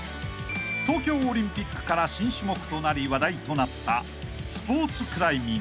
［東京オリンピックから新種目となり話題となった］